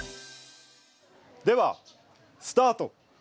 ではスタート！